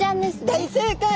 大正解！